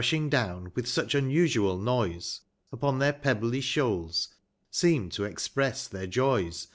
sliing down, with sucli unusual noise, Upon their pe)>bly slioals, seem'd to express tlieir joys.